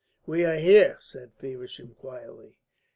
"We are here," said Feversham, quietly.